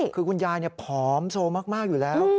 คือคุณยายผอมโซมากอยู่แล้ว